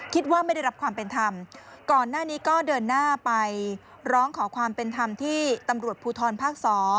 คิดว่าไม่ได้รับความเป็นธรรมก่อนหน้านี้ก็เดินหน้าไปร้องขอความเป็นธรรมที่ตำรวจภูทรภาค๒